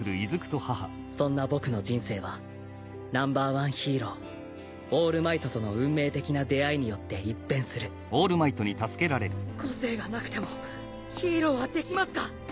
そんな僕の人生はＮｏ．１ヒーローオールマイトとの運命的な出会いによって一変する個性がなくてもヒーローはできますか？